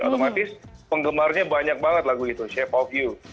otomatis penggemarnya banyak banget lagu itu chef of you